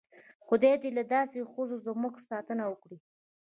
خدای دې له داسې ښځو زموږ ساتنه وکړي.